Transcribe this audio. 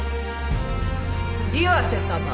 岩瀬様